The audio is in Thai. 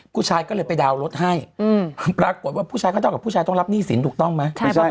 ผู้ชายก็เลยไปดาวน์รถให้ปรากฏว่าผู้ชายก็เท่ากับผู้ชายต้องรับหนี้สินถูกต้องไหม